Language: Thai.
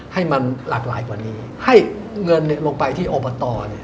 ให้มันหลากหลายกว่านี้ให้เงินลงไปที่อบตเนี่ย